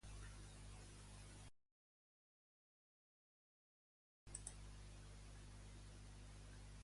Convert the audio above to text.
I el vilatge tradicional a Minoa, què evidencia?